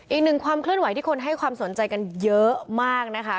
อีกหนึ่งความเคลื่อนไหวที่คนให้ความสนใจกันเยอะมากนะคะ